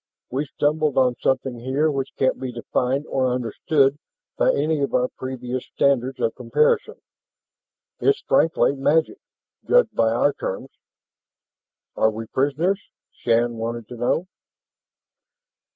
We've stumbled on something here which can't be defined or understood by any of our previous standards of comparison. It's frankly magic, judged by our terms." "Are we prisoners?" Shann wanted to know.